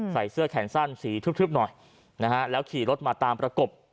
ใส่เสื้อแขนสั้นสีทึบหน่อยนะฮะแล้วขี่รถมาตามประกบ